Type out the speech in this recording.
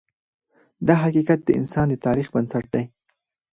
دا حقیقت د انسان د تاریخ بنسټ دی.